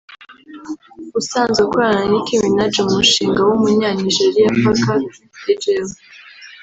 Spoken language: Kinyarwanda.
usanzwe akorana na Nicki Minaj mu mushinga w’umunya Nigeria Parker Ighile